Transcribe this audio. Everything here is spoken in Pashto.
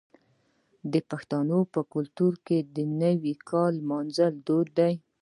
د پښتنو په کلتور کې د نوي کال لمانځل دود دی.